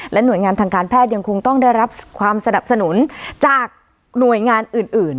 หน่วยงานทางการแพทย์ยังคงต้องได้รับความสนับสนุนจากหน่วยงานอื่น